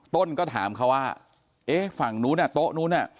ต้นก็ถามเขาว่าเอ๊ะฝั่งนู้นอ่ะโต๊ะนู้นน่ะ